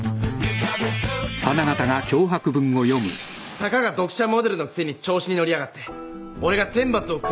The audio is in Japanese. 「たかが読者モデルのくせに調子にのりやがって俺が天罰をくらわせてやる」